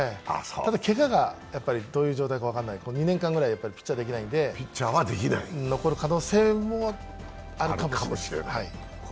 ただ、けががどういう状態か分からない２年間くらいピッチャーできないので、残る可能性もあるかもしれない。